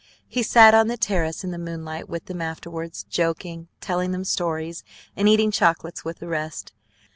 He sat on the terrace in the moonlight with them afterwards, joking, telling them stories, and eating chocolates with the rest.